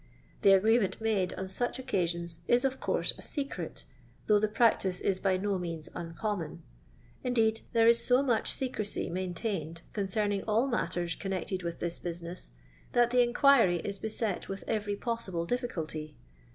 The agreement made on such occa sions is, of course, a secret, though the practice is by no means uncommon; indeed, there is so much secrecy maintained concerning all matters connected with this business, that the inquiry is beset with every possible difficultr.